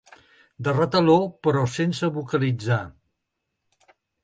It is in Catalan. De retaló, però sense vocalitzar.